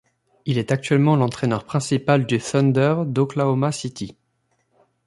Il est actuellement l'entraineur principal du Thunder d'Oklahoma City.